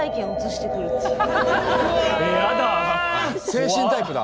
精神タイプだ。